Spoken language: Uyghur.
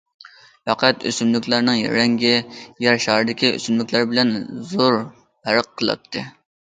پەقەت ئۆسۈملۈكلەرنىڭ رەڭگى يەر شارىدىكى ئۆسۈملۈكلەر بىلەن زور پەرق قىلاتتى.